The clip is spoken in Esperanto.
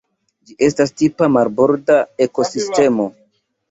Ĝi estas tipa marborda ekosistemo.